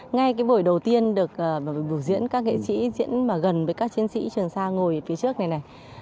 ngay cái buổi đầu tiên được biểu diễn các nghệ sĩ diễn mà gần với các chiến sĩ trường xa ngồi phía trước này này